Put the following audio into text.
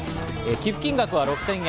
寄付金額は６０００円。